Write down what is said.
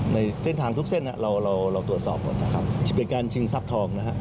ในเส้นทางทุกเส้นเราเราตรวจสอบหมดนะครับจะเป็นการชิงทรัพย์ทองนะฮะ